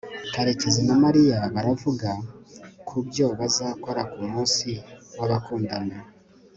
karekezi na mariya baravuga kubyo bazakora kumunsi w'abakundana